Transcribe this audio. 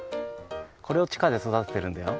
これをちかでそだててるんだよ。